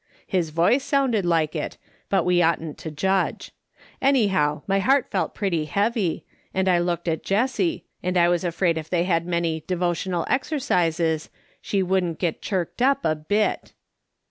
His voice sounded like it, but we oughtn't to judge. Anyhow, my heart felt pretty heavy, and I looked at Jessie, and I was afraid if they had many ' devotional exercises,' she wouldn't get chirked up a bit.